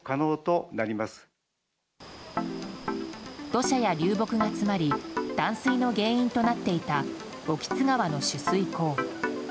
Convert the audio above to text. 土砂や流木が詰まり断水の原因となっていた興津川の取水口。